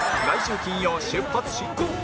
来週金曜出発進行！